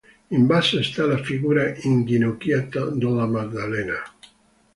In basso sta la figura inginocchiata della Maddalena.